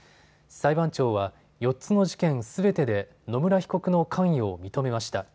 裁判長は、４つの事件すべてで野村被告の関与を認めました。